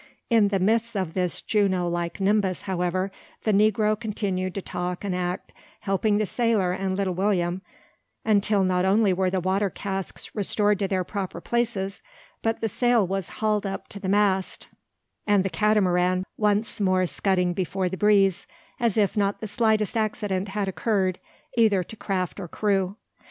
In the midst of this Juno like nimbus however, the negro continued to talk and act, helping the sailor and little William, until not only were the water casks restored to their proper places, but the sail was hauled up to the mast, and the Catamaran once more scudding before the breeze, as if not the slightest accident had occurred either to craft or crew.